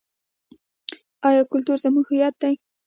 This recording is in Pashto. آیا کلتور زموږ هویت دی؟